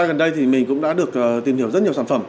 gần đây thì mình cũng đã được tìm hiểu rất nhiều sản phẩm